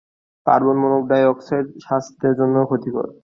Carbon monoxide স্বাস্থ্যের জন্য ক্ষতিকর।